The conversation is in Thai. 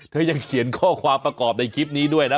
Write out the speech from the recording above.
ยังเขียนข้อความประกอบในคลิปนี้ด้วยนะ